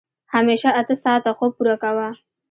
همېشه اته ساعته خوب پوره کوه.